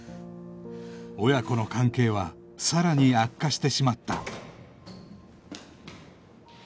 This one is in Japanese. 親子の関係はさらに悪化してしまった